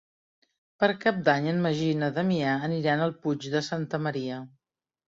Per Cap d'Any en Magí i na Damià aniran al Puig de Santa Maria.